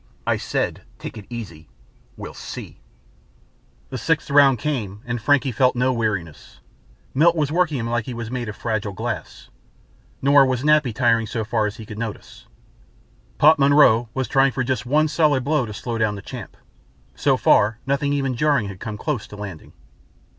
_ I said, take it easy. We'll see. The sixth round came and Frankie felt no weariness. Milt was working him like he was made of fragile glass. Nor was Nappy tiring so far as he could notice. Pop Monroe was trying for just one solid blow to slow down the Champ. So far nothing even jarring had come close to landing.